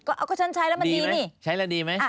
พิสูจน์ใช้แล้วมันดีไหม